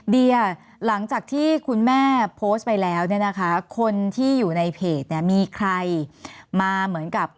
เดียหลังจากที่คุณแม่โพสต์ไปแล้วเนี่ยนะคะคนที่อยู่ในเพจเนี่ยมีใครมาเหมือนกับ